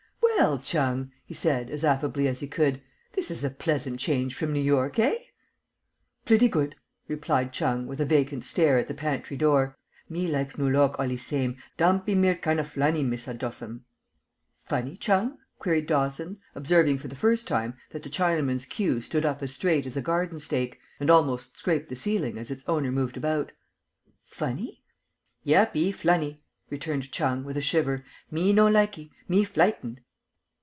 "Well, Chung," he said, as affably as he could, "this is a pleasant change from New York, eh?" "Plutty good," replied Chung, with a vacant stare at the pantry door. "Me likes Noo Lork allee same. Dampeemere kind of flunny, Mister Dawson." "Funny, Chung?" queried Dawson, observing for the first time that the Chinaman's queue stood up as straight as a garden stake, and almost scraped the ceiling as its owner moved about. "Funny?" "Yeppee, flunny," returned Chung, with a shiver. "Me no likee. Me flightened."